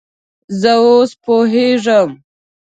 زه اوس پوهیږم